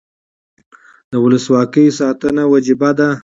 د ولسواکۍ ساتنه وجیبه ده